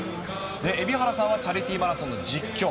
蛯原さんはチャリティーマラソンの実況。